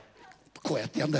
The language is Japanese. こうやってやるんだ。